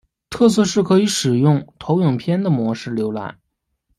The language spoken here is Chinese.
特色是可以使用投影片的模式浏览。